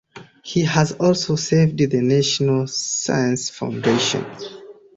He has also served at the National Science Foundation.